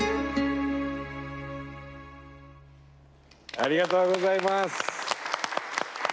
ありがとうございます。